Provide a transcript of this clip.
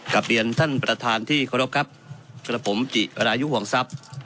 กลับเรียนท่านประธานที่เคารพครับกระผมจิรายุห่วงทรัพย์